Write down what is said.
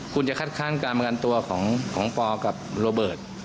คุณจะคัดค้านการประกันตัวของปอกับโรเบิร์ต